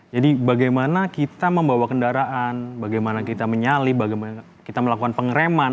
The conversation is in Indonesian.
jadi bagaimana kita membawa kendaraan bagaimana kita menyalip bagaimana kita melakukan pengereman